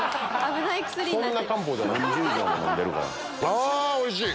あおいしい！